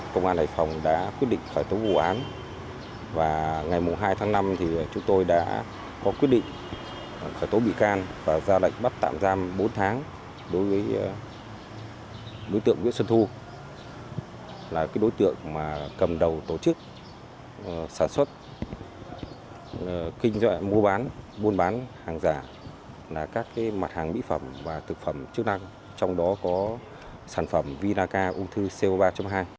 công an hải phòng đã quyết định khởi tố vụ án và ngày hai tháng năm chúng tôi đã có quyết định khởi tố bị can và ra lệnh bắt tạm giam bốn tháng đối với đối tượng nguyễn xuân thu là đối tượng cầm đầu tổ chức sản xuất kinh doanh mua bán buôn bán hàng giả là các mặt hàng mỹ phẩm và thực phẩm chức năng trong đó có sản phẩm vinaca ung thư co ba hai